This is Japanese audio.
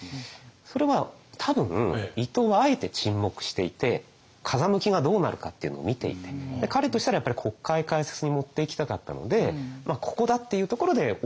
それは多分伊藤はあえて沈黙していて風向きがどうなるかっていうのを見ていて彼としたらやっぱり国会開設に持っていきたかったのでここだっていうところで大隈を切る。